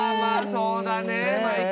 そうだね毎回。